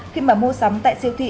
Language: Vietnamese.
khi mà mua sắm tại siêu thị